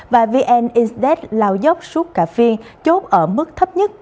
và vn inc lao dốc suốt cả phiên chốt ở mức thấp nhất